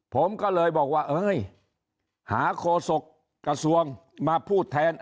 ผมก็เลยบอกว่าเอ้ยหาโคศกกระทรวงมาพูดแทน